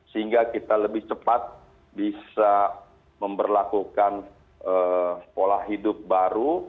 sehingga kita lebih cepat bisa memperlakukan pola hidup baru